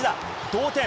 同点。